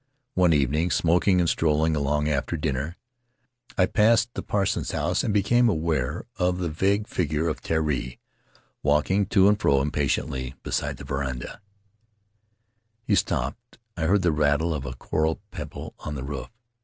One evening, smoking and strolling alone after dinner, I passed the parson's house and became aware of the vague figure of Terii, walking to and fro impatiently beside the veranda. He stopped — I heard the rattle of a coral pebble on the roof.